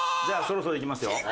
じゃあそろそろいきますよ。